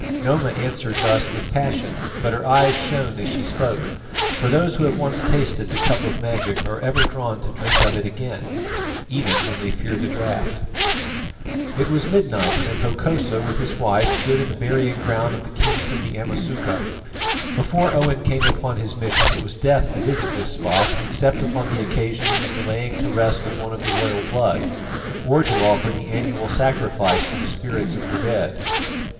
Noma answered thus with passion, but her eyes shone as she spoke: for those who have once tasted the cup of magic are ever drawn to drink of it again, even when they fear the draught. It was midnight, and Hokosa with his wife stood in the burying ground of the kings of the Amasuka. Before Owen came upon his mission it was death to visit this spot except upon the occasion of the laying to rest of one of the royal blood, or to offer the annual sacrifice to the spirits of the dead.